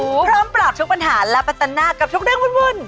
พร้อมปราบทุกปัญหาและปัจจันหน้ากับทุกเรื่องวุ่น